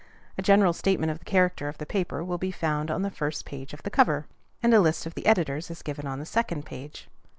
A general statement of the character of the paper will be found on the first page of the cover, and a list of the editors is given on the second page.